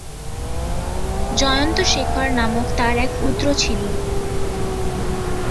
জয়ন্ত শেখর নামক তাঁর এক পুত্র ছিল।